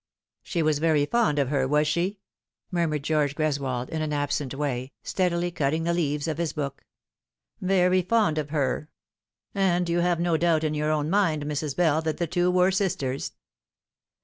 "She was very fond of her, was she?" murmured George Greswold, in an absent way, steadily cutting the leaves of his book. " Very fond of her. And you have no doubt in your own mind, Mrs. Bell, that the two were sisters